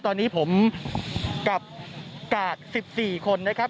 ตอนนี้ผมกับกาด๑๔คนนะครับ